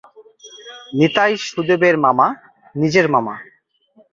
নিতাই সুদেবের মামা, নিজের মামা।